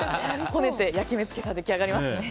こねて焼き目つけたら出来上がりますね。